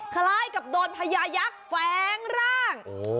คล้ายกับโดนพญายักษ์แฟ้งร่าง